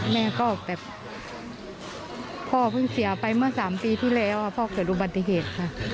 แม่ก็แบบพ่อเพิ่งเสียไปเมื่อ๓ปีที่แล้วพ่อเกิดอุบัติเหตุค่ะ